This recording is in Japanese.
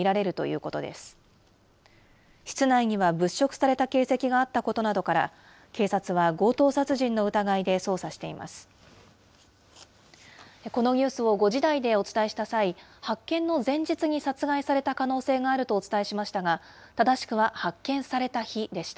このニュースを５時台でお伝えした際、発見の前日に殺害された可能性があるとお伝えしましたが、正しくは発見された日でした。